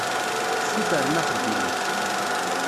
Ssutren axeddim-a.